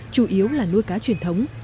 chủ yếu là nuôi cá truyền thống